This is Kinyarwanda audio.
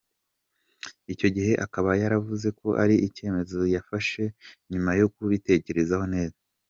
Icyo gihe akaba yaravuze ko ari icyemezo yafashe nyuma yo kubitekerezaho neza.